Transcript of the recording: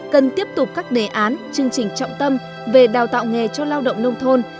cần tiếp tục các đề án chương trình trọng tâm về đào tạo nghề cho lao động nông thôn